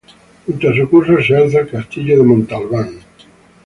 Junto a su curso se alza el Castillo de Montalbán.